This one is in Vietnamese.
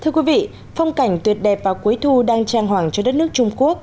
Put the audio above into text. thưa quý vị phong cảnh tuyệt đẹp vào cuối thu đang trang hoàng cho đất nước trung quốc